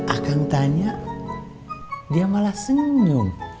akan tanya dia malah senyum